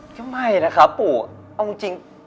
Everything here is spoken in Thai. ก็ไม่นะครับปู่เอาจริง